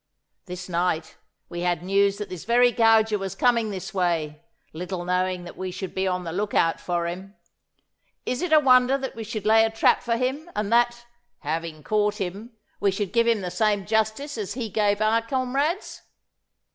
This night we had news that this very gauger was coming this way, little knowing that we should be on the look out for him. Is it a wonder that we should lay a trap for him, and that, having caught him, we should give him the same justice as he gave our comrades?